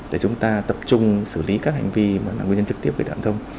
để chúng ta tập trung xử lý các hành vi mà là nguyên nhân trực tiếp với đảng thông